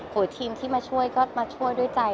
ทีมที่มาช่วยก็มาช่วยด้วยใจ